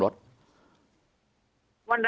วันนี้ไม่รู้เลยเลยเหลืออ่ะ